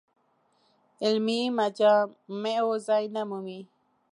علمي مجامعو ځای نه مومي.